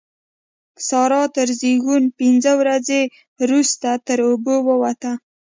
سارا تر زېږون پينځه ورځې روسته تر اوبو ووته.